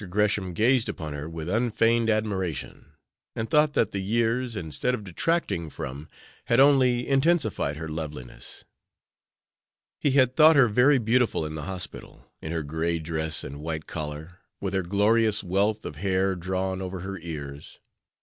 Gresham gazed upon her with unfeigned admiration, and thought that the years, instead of detracting from, had only intensified, her loveliness. He had thought her very beautiful in the hospital, in her gray dress and white collar, with her glorious wealth of hair drawn over her ears.